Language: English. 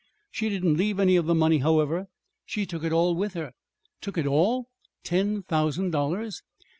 "She didn't leave any of the money, however. She took it all with her." "Took it all ten thousand dollars!"